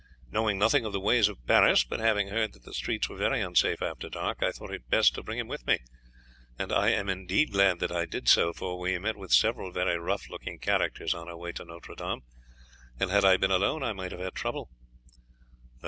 Knowing nothing of the ways of Paris, but having heard that the streets were very unsafe after dark, I thought it best to bring him with me; and I am indeed glad that I did so, for we met with several very rough looking characters on our way to Notre Dame, and had I been alone I might have had trouble."